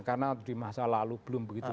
karena di masa lalu belum begitu